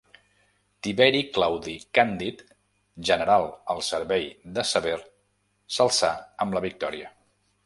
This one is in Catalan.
Tiberi Claudi Càndid, general al servei de Sever, s'alçà amb la victòria.